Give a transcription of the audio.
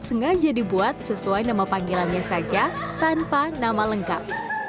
sengaja dibuat sesuai nama panggilannya saja tanpa nama lengkap